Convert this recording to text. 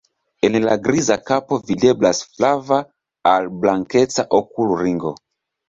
En la griza kapo videblas flava al blankeca okulringo.